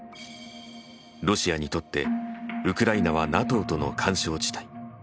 ロシアにとってウクライナはＮＡＴＯとの緩衝地帯。